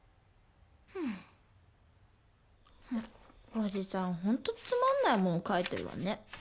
おじさんほんとつまんないもん書いてるわね。